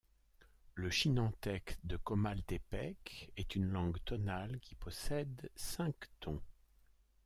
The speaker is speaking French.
Le chinantèque de Comaltepec est une langue tonale, qui possède cinq tons.